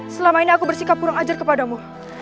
selama ini aku bersikap kurang ajar kepadamu